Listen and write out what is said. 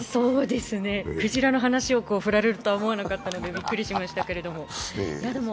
クジラの話を振られるとは思わなかったので、びっくりしましたけれども。